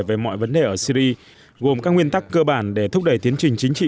về mọi vấn đề ở syri gồm các nguyên tắc cơ bản để thúc đẩy tiến trình chính trị